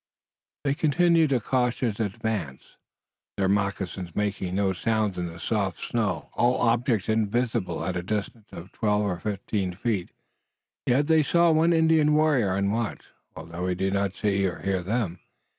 They continued a cautious advance, their moccasins making no sound in the soft snow, all objects invisible at a distance of twelve or fifteen feet. Yet they saw one Indian warrior on watch, although he did not see or hear them.